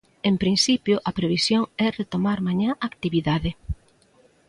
En principio, a previsión é retomar mañá a actividade.